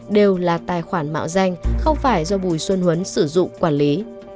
đều là tài khoản mạo danh không phải do bùi xuân huấn sử dụng quản lý